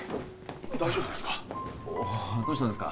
大丈夫ですか？